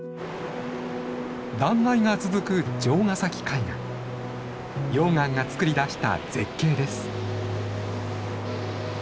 断崖が続く溶岩がつくり出した絶景です。